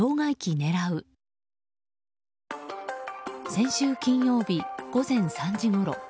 先週金曜日、午前３時ごろ。